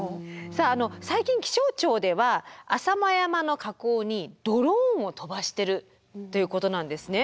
さあ最近気象庁では浅間山の火口にドローンを飛ばしてるということなんですね。